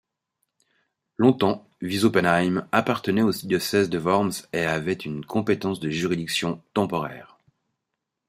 Longtemps Wiesoppenheim appartenait au Diocèse de Worms et avait une compétence de juridiction temporaire.